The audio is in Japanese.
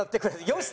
「よし！」